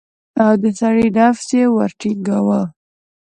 او د سړي نفس يې ورټنگاوه.